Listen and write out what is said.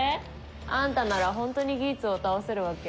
あんたならホントにギーツを倒せるわけ？